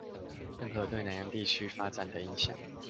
鄭和對南洋地區發展的影響